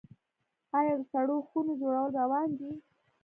آیا د سړو خونو جوړول روان دي؟